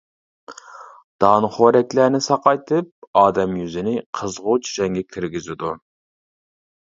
دانىخورەكلەرنى ساقايتىپ، ئادەم يۈزىنى قىزغۇچ رەڭگە كىرگۈزىدۇ.